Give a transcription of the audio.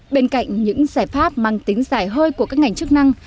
bên cạnh những giải pháp mang tính giải hơi của các ngành chức năng